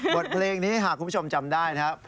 บทเพลงนี้หากคุณผู้ชมจำได้นะครับ